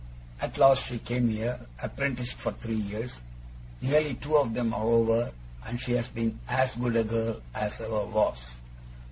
At last she came here, apprenticed for three years. Nearly two of 'em are over, and she has been as good a girl as ever was.